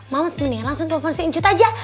mams mendingan langsung telepon si injot aja